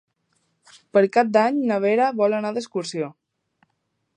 Per Cap d'Any na Vera vol anar d'excursió.